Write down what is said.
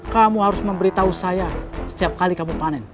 kamu harus memberitahu saya setiap kali kamu panen